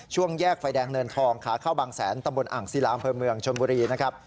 แยกไฟแดงเนินทองขาเข้าบางแสนตำบลอ่างศิลาอำเภอเมืองชนบุรีนะครับ